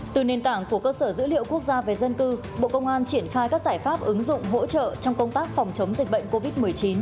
từ nền tảng của cơ sở dữ liệu quốc gia về dân cư bộ công an triển khai các giải pháp ứng dụng hỗ trợ trong công tác phòng chống dịch bệnh covid một mươi chín